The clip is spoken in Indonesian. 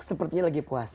sepertinya lagi puasa